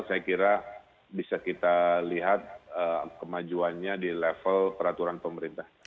saya kira bisa kita lihat kemajuannya di level peraturan pemerintah